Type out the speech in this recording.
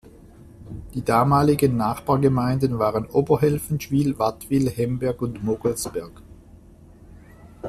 Die damaligen Nachbargemeinden waren Oberhelfenschwil, Wattwil, Hemberg und Mogelsberg.